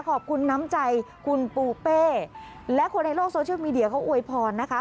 ขอบคุณน้ำใจคุณปูเป้และคนในโลกโซเชียลมีเดียเขาอวยพรนะคะ